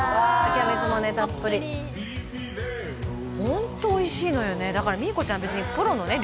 キャベツもねたっぷりホントおいしいのよねだからみーこちゃん別にプロのね